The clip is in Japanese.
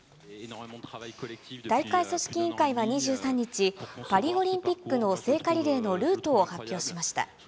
大会組織委員会は２３日、パリオリンピックの聖火リレーのルートを発表しました。